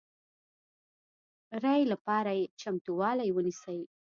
ري لپاره یې چمتوالی ونیسئ